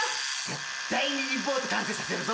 絶対にリポート完成させるぞ。